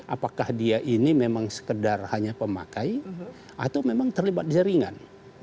apakah dia ini memang sekedar hanya pemakai atau memang terlibat jaringan